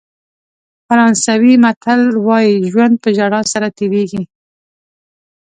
فرانسوي متل وایي ژوند په ژړا سره تېرېږي.